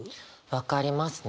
分かりますね。